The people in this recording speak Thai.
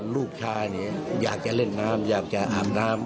ลูกชายเนี่ยอยากจะเล่นน้ำอยากจะอาบน้ำ